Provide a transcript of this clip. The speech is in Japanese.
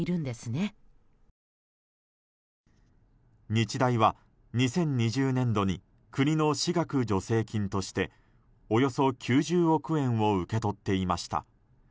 日大は２０２０年度に国の私学助成金としておよそ９０億円を受け取っていました。